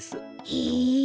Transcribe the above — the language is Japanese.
へえ。